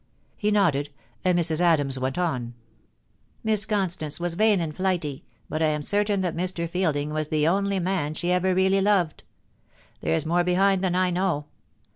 He nodded, and Mrs. Adams went on :' Miss Constance was vain and flighty, but I am certain that Mr. Fielding was the only man she ever really loved. There's more behind than I know.